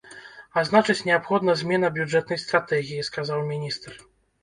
А значыць, неабходна змена бюджэтнай стратэгіі, сказаў міністр.